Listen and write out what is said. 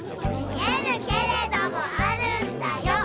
「見えぬけれどもあるんだよ」